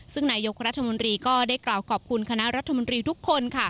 ซึ่งนายกรัฐมนตรีก็ได้กล่าวขอบคุณคณะรัฐมนตรีทุกคน